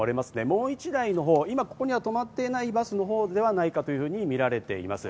もう１台のほう、今ここには止まっていないバスのほうではないかと見られています。